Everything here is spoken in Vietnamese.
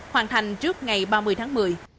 hoàn thành trước ngày ba mươi tháng một mươi